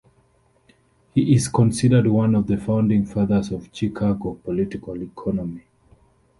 He is considered one of the founding fathers of Chicago political economy.